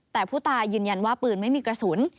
แต่ผู้ตายยืนยันว่าปืนไม่มีกระสุน